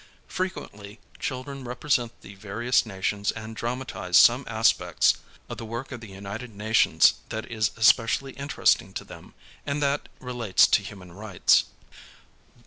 Frequently children represent the various nations and 16 HOW CHILDREN LEARN ABOUT HUMAN RIGHTS dramatize some aspects of the work of the United Nations that is especially interesting to them, and that relates to human rights.